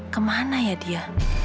kemana ya dia